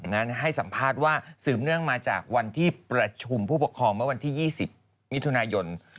นั้นให้สัมภาษณ์ว่าสืบเนื่องมาจากวันที่ประชุมผู้ปกครองเมื่อวันที่๒๐มิถุนายน